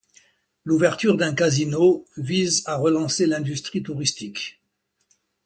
L’ouverture d’un casino vise à relancer l’industrie touristique.